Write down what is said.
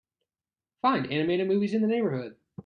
Find animated movies in the neighborhood.